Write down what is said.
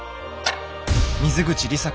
「水口里紗子